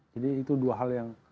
jadi itu dua hal yang